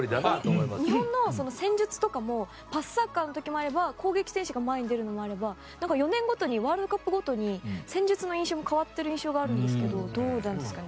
日本の戦術とかもパスサッカーの時もあれば攻撃の選手が前に出る時もあれば４年ごとにワールドカップごとに戦術も変わっている印象があるんですけどどうなんですかね？